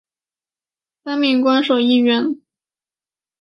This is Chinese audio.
三名官守议员。